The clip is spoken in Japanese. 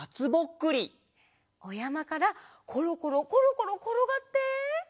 おやまからころころころころころがって。